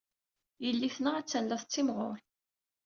Yelli-tneɣ attan la tettimɣur.